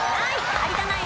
有田ナイン